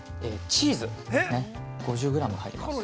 チーズ５０グラム入ります。